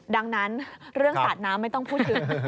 ดังนั้นเรื่องสัตว์น้ำไม่ต้องพูดอื่น